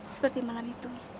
seperti malam itu